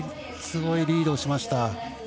すごいリードしました。